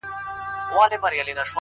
نن له سیوري سره ځمه خپل ګامونه ښخومه!